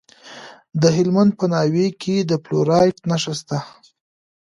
د هلمند په ناوې کې د فلورایټ نښې شته.